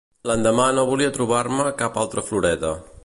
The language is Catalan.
L'endemà no volia trobar-me cap altra floreta.